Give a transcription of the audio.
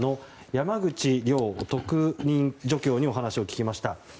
山口亮特任助教に話を伺いました。